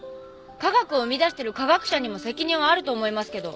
科学を生み出してる科学者にも責任はあると思いますけど。